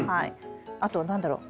あと何だろう？